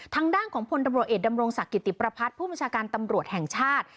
ทางด้านของพลตำรวจเอกดำรงศักดิ์กิติประพัฒน์ผู้บัญชาการตำรวจแห่งชาติ